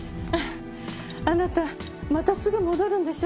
あなたまたすぐ戻るんでしょ？